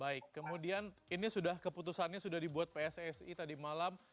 baik kemudian ini sudah keputusannya sudah dibuat pssi tadi malam